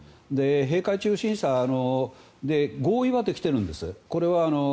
閉会中審査は合意はできてるんです。